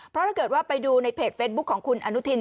เพราะถ้าเกิดว่าไปดูในเพจเฟซบุ๊คของคุณอนุทิน